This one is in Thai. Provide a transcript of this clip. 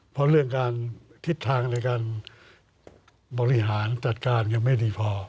เพราะเรื่องการทิศทางในการบริหารจัดการยังไม่ดีพอ